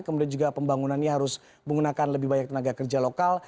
kemudian juga pembangunannya harus menggunakan lebih banyak tenaga kerja lokal